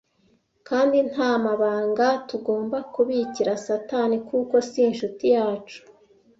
kandi ntamabanga tugomba kubikira satani kuko sinshuti yacu